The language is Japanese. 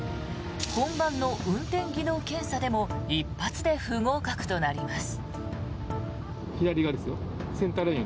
本番の運転技能検査でも一発で不合格となります。